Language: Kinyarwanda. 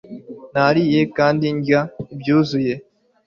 Nariye kandi ndya ibyuzuye